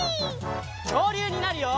きょうりゅうになるよ！